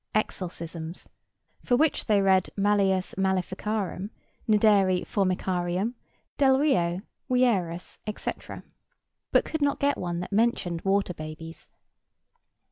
Exorcisms, for which the read Maleus Maleficarum, Nideri Formicarium, Delrio, Wierus, etc. But could not get one that mentioned water babies.